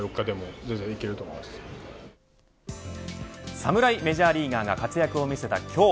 侍メジャーリーガーが活躍を見せた今日